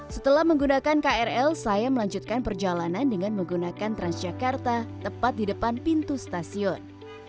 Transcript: setelah menggunakan krl saya melanjutkan perjalanan dengan menggunakan transjakarta tepat di depan pintu stasiun